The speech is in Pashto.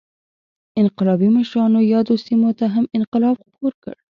انقلابي مشرانو یادو سیمو ته هم انقلاب خپور کړ.